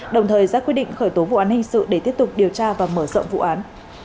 đồng thời ra quyết định khởi tố vụ án hình sự để tiếp tục điều tra và mở rộng vụ án